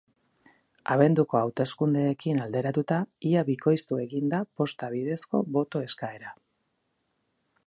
Abenduko hauteskundeekin alderatuta, ia bikoiztu egin da posta bidezko boto eskaera.